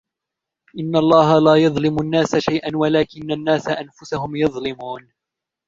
إن الله لا يظلم الناس شيئا ولكن الناس أنفسهم يظلمون